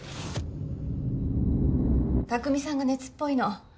拓未さんが熱っぽいの。